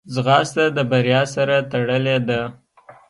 ځغاسته د بریا سره تړلې ده